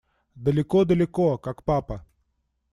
Далеко-далеко, как папа.